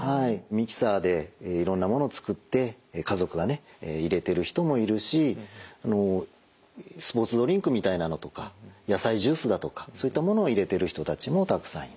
ミキサーでいろんなものを作って家族がね入れてる人もいるしスポーツドリンクみたいなのとか野菜ジュースだとかそういったものを入れてる人たちもたくさんいます。